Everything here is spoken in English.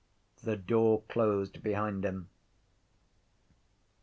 The door closed behind him.